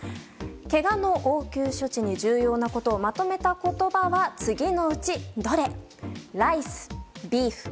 けがの応急処置に重要なことをまとめた言葉は次のうちどれ？